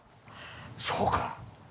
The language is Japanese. そうか！